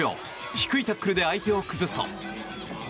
低いタックルで相手を崩すと。